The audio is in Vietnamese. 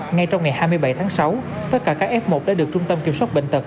ngay trong ngày hai mươi bảy tháng sáu tất cả các f một đã được trung tâm kiểm soát bệnh tật